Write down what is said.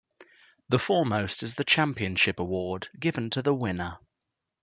The foremost is the championship award, given to the winner.